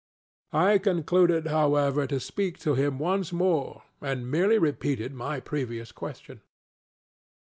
I concluded, however, to speak to him once more, and merely repeated my previous question.